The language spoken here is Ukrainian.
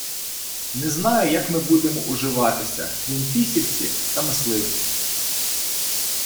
Не знаю, як ми будемо уживатися: грінпісівці та мисливці....